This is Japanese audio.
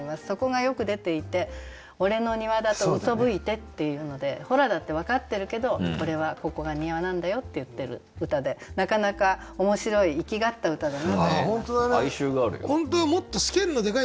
そこがよく出ていて「俺の庭だとうそぶいて」っていうのでホラだって分かってるけど俺はここが庭なんだよって言ってる歌でなかなか面白い粋がった歌だなと思います。